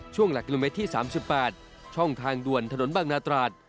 ช่วงหลักกิโลเมตรที่สามสิบแปดช่องทางด่วนถนนบางนาตราด